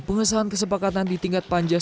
pengesahan kesepakatan di tingkat panjang